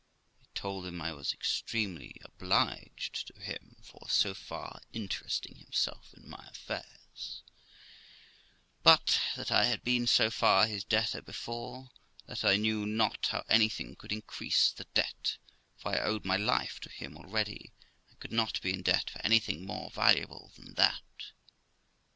I told him I was extremely obliged to him for so far interesting himself in my affairs, but that I had been so far his debtor before, that I knew not how anything could increase the debt; for I owed my life to him already, and I could not be in debt for anything more valuable than that.